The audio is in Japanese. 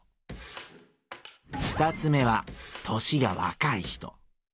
二つ目は年が若い人。